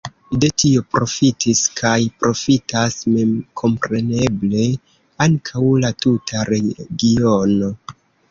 De tio profitis kaj profitas memkompreneble ankaŭ la tuta regiono.